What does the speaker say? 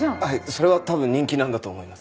それは多分人気なんだと思います。